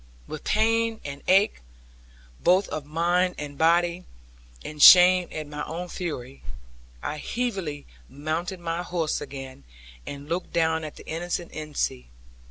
With pain, and ache, both of mind and body, and shame at my own fury, I heavily mounted my horse again, and, looked down at the innocent Ensie.